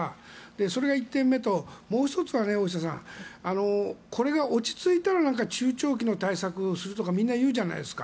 それが１つ目ともう１つは、これが落ち着いたら中長期の対策をするとかみんな言うじゃないですか。